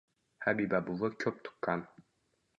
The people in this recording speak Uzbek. Habiba buvi ko‘p tuqqan.